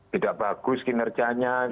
tidak bagus kinerjanya